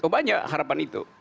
banyak harapan itu